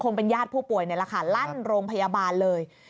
ญาติผู้ป่วยนี่แหละค่ะลั่นโรงพยาบาลเลย